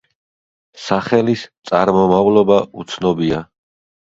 სახელის წარმომავლობა უცნობია.